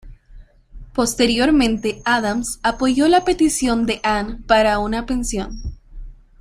Posteriormente Adams apoyó la petición de Anne para una pensión.